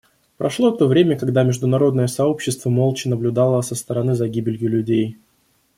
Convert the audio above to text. Прошло то время, когда международное сообщество молча наблюдало со стороны за гибелью людей.